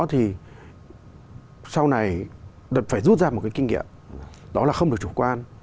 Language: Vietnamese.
thế nhưng mà bên cạnh đó thì sau này đợt phải rút ra một cái kinh nghiệm đó là không được chủ quan